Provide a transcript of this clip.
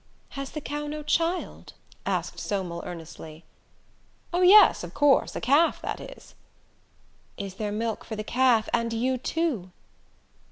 "Has the cow no child?" asked Somel earnestly. "Oh, yes, of course, a calf, that is." "Is there milk for the calf and you, too?"